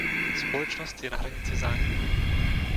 Společnost je na hranici zániku.